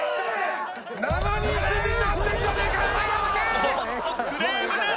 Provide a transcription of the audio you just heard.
おっとクレームです！